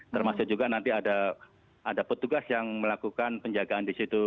termasuk juga nanti ada petugas yang melakukan penjagaan di situ